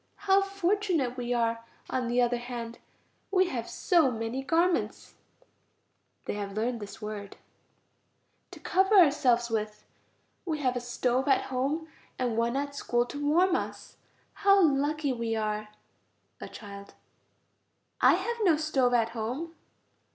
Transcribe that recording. How fortunate we are, on the other hand! We have so many garments (they have learned this word) to cover ourselves with; we have a stove at home and one at school, to warm us. How lucky we are! A child. I have no stove at home.